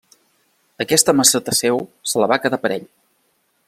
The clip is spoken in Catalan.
Aquesta maça Teseu se la va quedar per a ell.